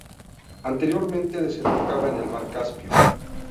Anteriormente desembocaba en el mar Caspio.